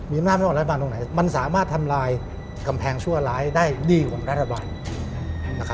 มีอำนาจไม่ออกรัฐบาลตรงไหนมันสามารถทำลายกำแพงชั่วร้ายได้ดีกว่ารัฐบาล